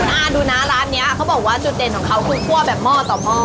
คุณอาดูนะร้านนี้เขาบอกว่าจุดเด่นของเขาคือคั่วแบบหม้อต่อหม้อ